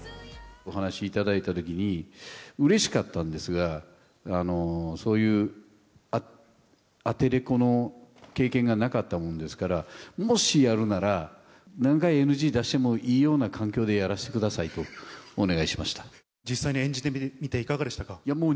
お話頂いたときに、うれしかったんですが、そういう、アテレコの経験がなかったものですから、もしやるなら、何回ＮＧ出してもいいような環境でやらせてくださいとお願いしま実際に演じてみていかがでしいや